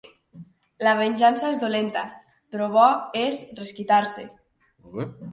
La venjança és dolenta, però bo és resquitar-se.